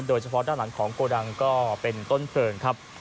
โดยเฉพาะด้านหลังของโกดังก็เป็นต้นเพลิงครับ